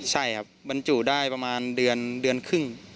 ใช่ครับบรรจุได้ประมาณเดือนเดือนครึ่ง